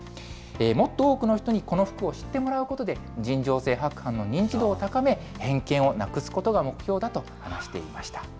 もっと多くの人にこの服を知ってもらうことで尋常性白斑の認知度を高め、偏見をなくすことが目標だと話していました。